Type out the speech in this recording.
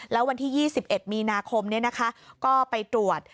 แล้ววันที่๒๑มีนาคมก็ไปตรวจ